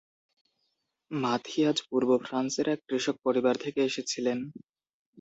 মাথিয়াজ পূর্ব ফ্রান্সের এক কৃষক পরিবার থেকে এসেছিলেন।